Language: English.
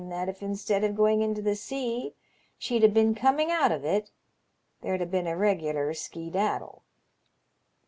that if instead of going into the sea, she'd ha' been coming out of it, there'd ha' been a regular skeedaddle.